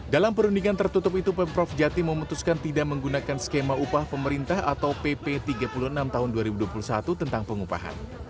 dalam perundingan tertutup itu pemprov jatim memutuskan tidak menggunakan skema upah pemerintah atau pp tiga puluh enam tahun dua ribu dua puluh satu tentang pengupahan